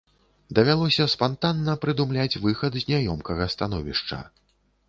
Давялося спантанна прыдумляць выхад з няёмкага становішча.